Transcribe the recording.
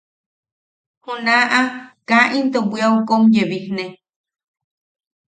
Junaʼa kaa into bwiau kom yebijne.